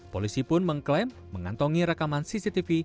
polisi pun mengklaim mengantongi rekaman cctv